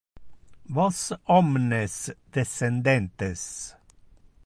Vos omnes, descendentes.